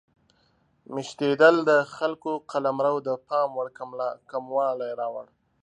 میشتېدل د خلکو قلمرو د پام وړ کموالی راوړ.